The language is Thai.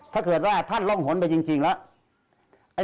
ถ้าเกิดว่าท่านล่องหนไปจริงแล้ว